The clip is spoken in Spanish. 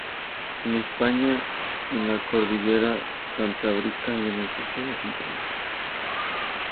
En España en la Cordillera Cantábrica y en el Sistema Central.